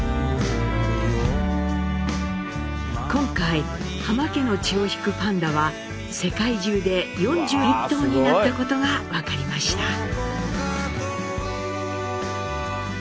今回浜家の血を引くパンダは世界中で４１頭になったことが分かりました。